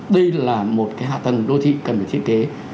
đây là một hạ tầng đô thị cần phải thiết kế